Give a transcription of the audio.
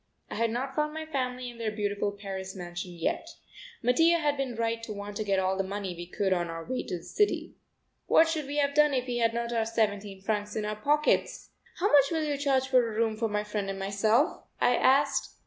I had not found my family in their beautiful Paris mansion yet. Mattia had been right to want to get all the money we could on our way to the city. What should we have done if we had not our seventeen francs in our pockets? "How much will you charge for a room for my friend and myself?" I asked.